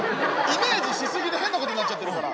イメージし過ぎで変なことになっちゃってるから。